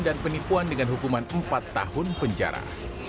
dan penipuan dengan hukuman empat tahun penjara